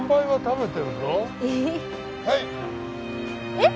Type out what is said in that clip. えっ？